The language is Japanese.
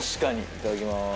いただきます。